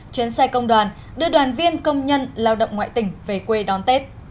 chuyến xe công đoàn đưa đoàn viên công nhân lao động ngoại tỉnh về quê đón tết